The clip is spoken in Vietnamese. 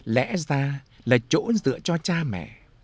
lẽ ra là chỗ dựa cho cha mẹ